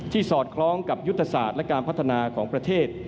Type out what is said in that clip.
สอดคล้องกับยุทธศาสตร์และการพัฒนาของประเทศ